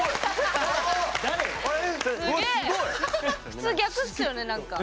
普通逆っすよねなんか。